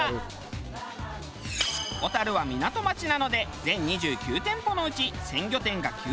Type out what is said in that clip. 小樽は港町なので全２９店舗のうち鮮魚店が９店舗。